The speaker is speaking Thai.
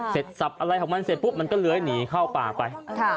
สับอะไรของมันเสร็จปุ๊บมันก็เลื้อยหนีเข้าป่าไป